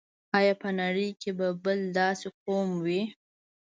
آیا په نړۍ کې به بل داسې قوم وي.